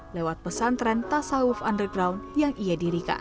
lewat pesantren tasawuf underground yang ia dirikan